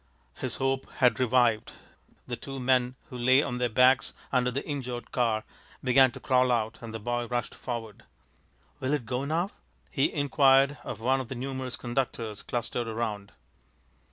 His hope had revived. The two men who lay on their backs under the injured car began to crawl out, and the boy rushed forward. "Will it go now?" he inquired of one of the numerous conductors clustered around.